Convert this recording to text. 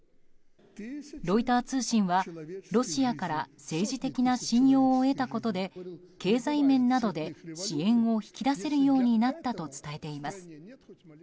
ロイター通信は、ロシアから政治的な信用を得たことで経済面などで支援を引き出せるようになったと伝えています。